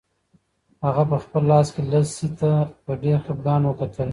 هغه په خپل لاس کې لسی ته په ډېر خپګان وکتل.